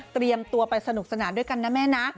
เตรียมตัวไปสนุกสนานด้วยกันนะแม่นะ